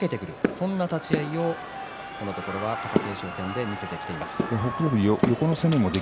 そんな立ち合いをこのところの貴景勝戦で見せてきています。